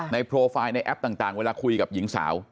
โปรไฟล์ในแอปต่างเวลาคุยกับหญิงสาว